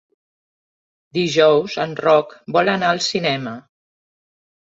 Dijous en Roc vol anar al cinema.